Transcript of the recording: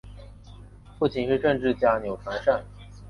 父亲是政治家钮传善。